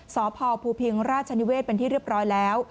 สพภูพิงราชนิเวศเป็นที่เรียบร้อยแล้ว